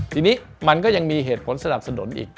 ทีนี้มันก็ยังมีเหตุผลสนับสนุนอีก